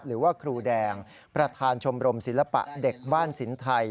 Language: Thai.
หรือว่าครูแดงประธานชมรมศิลปะเด็กบ้านสินไทย